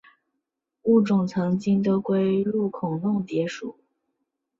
物种曾经都归入孔弄蝶属。